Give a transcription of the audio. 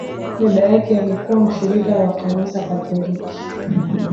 dada yake alikuwa mshiriki wa kanisa katoliki